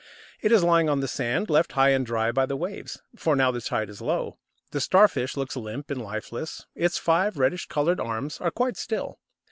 It is lying on the sand, left high and dry by the waves, for now the tide is low. The Starfish looks limp and lifeless, its five reddish coloured "arms" are quite still.